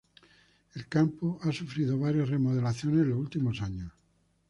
El campo ha sufrido varias remodelaciones en los últimos años.